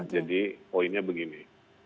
jadi poinnya begini